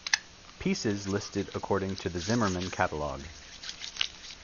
Pieces listed according to the Zimmerman catalogue.